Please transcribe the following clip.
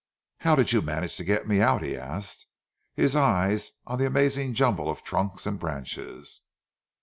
"How did you manage to get me out?" he asked, his eyes on the amazing jumble of trunks and branches.